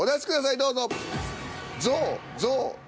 どうぞ。